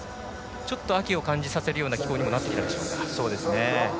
ちょっと秋を感じさせるような気候にもなってきたでしょうか。